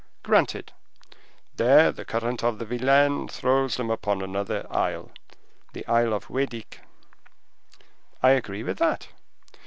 "Granted." "There the current of the Vilaine throws them upon another isle, the Isle of Hoedic." "I agree with that."